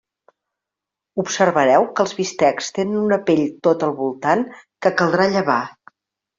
Observareu que els bistecs tenen una pell tot al voltant que caldrà llevar.